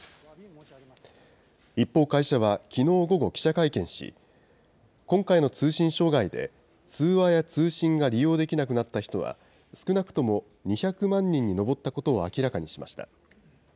一方、会社はきのう午後、記者会見し、今回の通信障害で通話や通信が利用できなくなった人は、少なくとも２００万人に上ったことを明らかにしました。